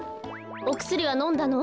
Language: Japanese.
おくすりはのんだの？